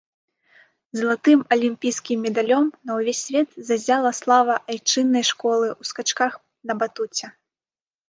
Залатым алімпійскім медалём на ўвесь свет заззяла слава айчыннай школы ў скачках на батуце.